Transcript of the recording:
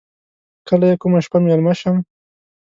کله یې کومه شپه میلمه شم.